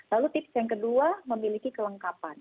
lalu tips yang kedua memiliki kelengkapan